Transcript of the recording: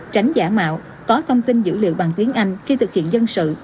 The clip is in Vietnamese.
tránh giả mạo có thông tin dữ liệu bằng tiếng anh khi thực hiện dân sự